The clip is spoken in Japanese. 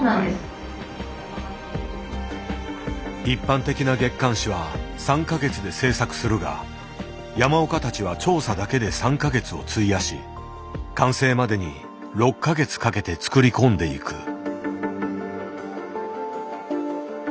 一般的な月刊誌は３か月で制作するが山岡たちは調査だけで３か月を費やし完成までに６か月かけて作り込んでいく。